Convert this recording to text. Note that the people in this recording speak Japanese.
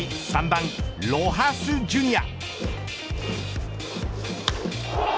３番、ロハス・ジュニア。